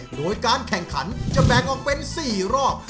โดยการแข่งขันจะแบ่งออกเป็น๔รอบ